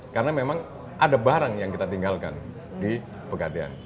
karena memang ada barang yang kita tinggalkan di pegadaian